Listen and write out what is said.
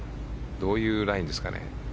どういうラインですかね？